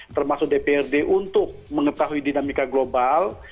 termasuk dprd untuk mengetahui dinamika global